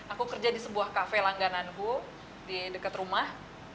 aku kerja di sebuah kafe langgananku di dekat rumah